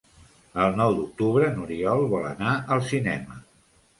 El nou d'octubre n'Oriol vol anar al cinema.